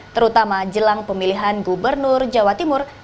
terutama jelang pemilihan gubernur jawa timur dua ribu delapan belas